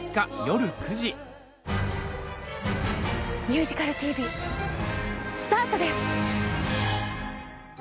「ミュージカルＴＶ」スタートです。